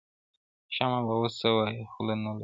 • شمع به اوس څه وايی خوله نه لري -